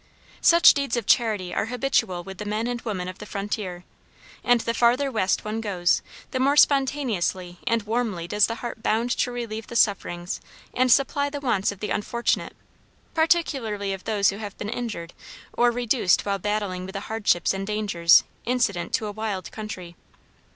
Such deeds of charity are habitual with the men and women of the frontier, and the farther west one goes the more spontaneously and warmly does the heart bound to relieve the sufferings and supply the wants of the unfortunate, particularly of those who have been injured or reduced while battling with the hardships and dangers incident to a wild country.